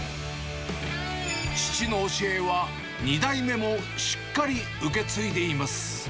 父の教えは２代目もしっかり受け継いでいます。